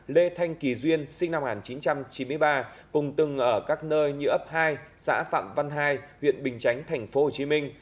lê thanh kỳ duyên sinh năm một nghìn chín trăm chín mươi ba cùng từng ở các nơi như ấp hai xã phạm văn hai huyện bình chánh tp hcm